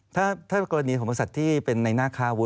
ถ้ากรณีอุปกรณ์ที่เป็นในหน้าคาวุธ